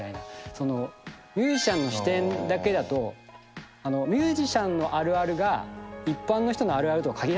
そのミュージシャンの視点だけだとミュージシャンのあるあるが一般の人のあるあるとは限らないじゃないですか。